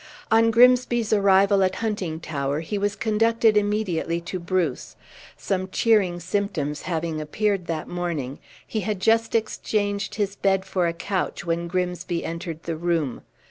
On Grimsby's arrival at Huntingtower he was conducted immediately to Bruce. Some cheering symptoms having appeared that morning, he had just exchanged his bed for a couch when Grimsby entered the room.